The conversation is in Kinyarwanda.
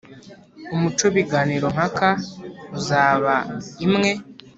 Umuco w ibiganiro mpaka uzaba imwe